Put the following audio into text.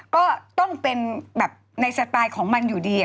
ก็ต้องเป็นแบบในสไตล์ของมันอยู่ดี